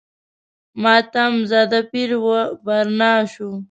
ماتم زده پیر و برنا شو.